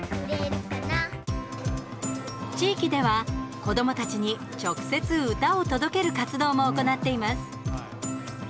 地域では、子どもたちに直接歌を届ける活動も行っています。